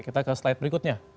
kita ke slide berikutnya